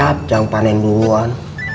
kat yang panen duluan